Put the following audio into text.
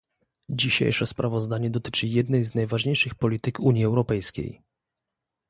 Dzisiejsze sprawozdanie dotyczy jednej z najważniejszych polityk Unii Europejskiej